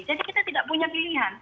jadi kita tidak punya pilihan